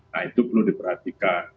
nah itu perlu diperhatikan